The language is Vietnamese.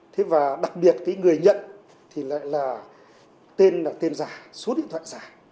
thế và đặc biệt cái người nhận thì lại là tên là tiền giả số điện thoại giả